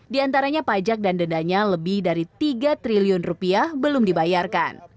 di antaranya pajak dan dendanya lebih dari tiga triliun rupiah belum dibayarkan